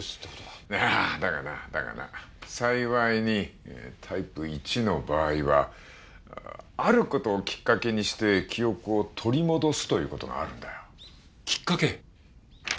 いやだがなだがな幸いにタイプ１の場合はある事をきっかけにして記憶を取り戻すという事があるんだよ。きっかけ？